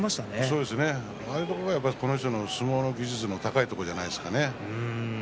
そういうところがこの人の技術の高いところじゃないですかね。